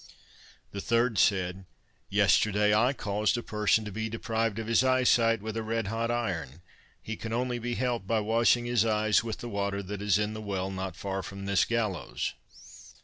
The third said: 'Yesterday I caused a person to be deprived of his eyesight with a red hot iron; he can only be helped by washing his eyes with the water that is in the well not far from this gallows.